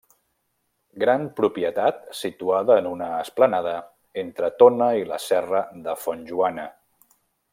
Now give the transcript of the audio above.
Gran propietat situada en una esplanada entre Tona i la Serra de Font Joana.